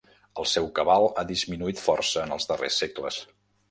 El seu cabal ha disminuït força en els darrers segles.